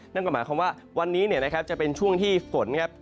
นั่นก็หมายความว่าวันนี้เนี่ยนะครับจะเป็นช่วงที่ฝนครับ